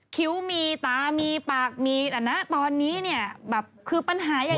คิ้วมีตามีปากมีแต่ตอนนี้คือปัญหาใหญ่